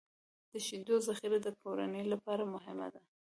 د شیدو ذخیره د کورنۍ لپاره مهمه ده.